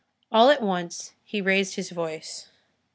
All at once he raised his voice.